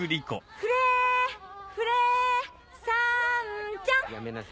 フレフレさんちゃん！